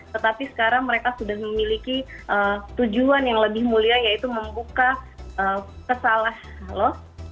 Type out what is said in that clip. tetapi sekarang mereka sudah memiliki tujuan yang lebih mulia yaitu membuka kesalahan loh